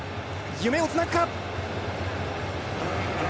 夢をつなぐか。